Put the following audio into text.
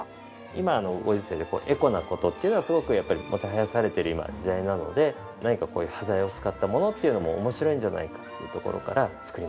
今のご時世でエコな事っていうのはすごくもてはやされている今時代なので何かこういう端材を使ったものっていうのも面白いんじゃないかっていうところから作りました。